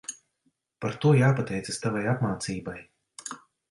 Par to jāpateicas tavai apmācībai.